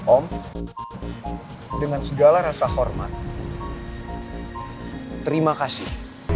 om dengan segala rasa hormat terima kasih